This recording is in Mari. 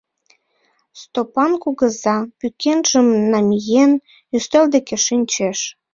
Стопан кугыза, пӱкенжым намиен, ӱстел деке шинчеш.